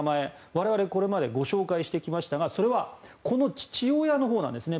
我々、これまでご紹介してきましたがそれはこの父親のほうなんですね